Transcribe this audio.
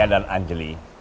saya dan anjli